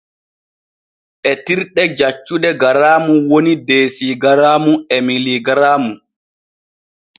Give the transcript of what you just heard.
Etirɗe jaccuɗe garaamu woni desigaraamu e miligaraamu.